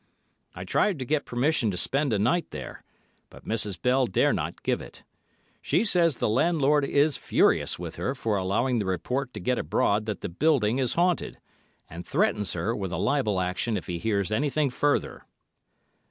I tried to get permission to spend a night there, but Mrs. Bell dare not give it. She says the landlord is furious with her for allowing the report to get abroad that the building is haunted, and threatens her with a libel action if he hears anything further."